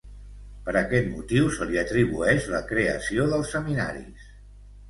Per aquest motiu se li atribueix la creació dels seminaris.